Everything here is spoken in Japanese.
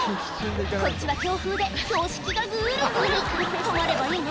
こっちは強風で標識がぐるぐる止まればいいの？